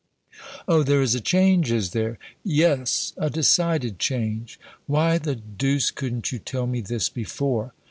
"O, there is a change, is there?" "Yes, a decided change." "Why the deuce couldn't you tell me this before!"